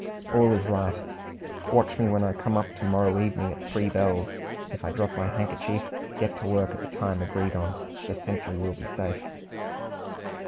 "All is right. Watch me when I come up to morrow evening at three bells. If I drop my handkerchief, get to work at the time agreed on. The sentry will be safe."